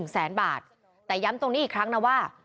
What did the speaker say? แสนบาทแต่ย้ำตรงนี้อีกครั้งนะว่า